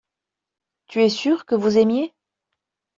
Tu es sûr que vous aimiez.